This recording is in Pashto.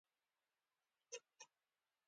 تجارت او کسب کول د سنتو یوه برخه ده.